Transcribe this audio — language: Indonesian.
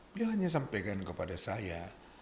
dia hanya sampaikan kepada saya